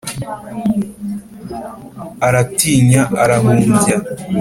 aratinya arahumbya